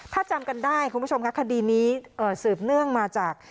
ถ้าจำกันได้คุณผู้ชมค่ะคดีนี้สืบเนื่องมาจาก